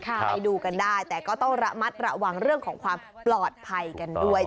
ไปดูกันได้แต่ก็ต้องระมัดระวังเรื่องของความปลอดภัยกันด้วย